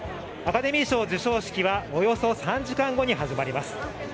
アカデミー賞授賞式は、およそ３時間後に始まります。